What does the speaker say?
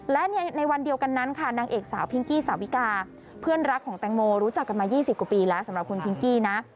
และในวันเดียวกันนั้นค่ะนางเอกสาวพิงกี้สาวิกาเพื่อนรักของแตงโมรู้จักกันมา๒๐กว่าปีแล้วสำหรับคุณพิงกี้นะ